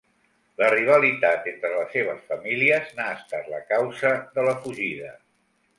La rivalitat entre les seves famílies n'ha estat la causa de la fugida.